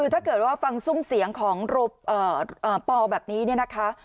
ถ้าเกิดว่าฟังซุ่มเสียงของปอแบบนี้เนี่ยนะคะ